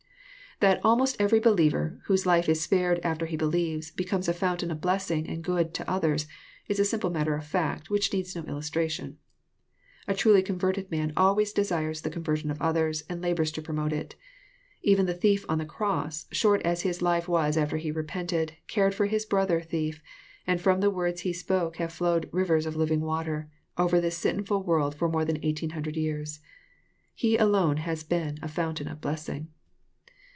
That almost 'every believer, whose life is spared after he believes, becomes a fountain of blessing and good to others, is a simple matter of fact, which needs no Illustration. A truly converted man always desires the conversion of others, and labours to promote it. Even the thief on the cross, short as his life was after he repented, cared for his brother thief; and from the words he spoke have fiowed " rivers of living water" over this sinftil world for more than eighteen hundred years. He alone has been a fountain of blessing.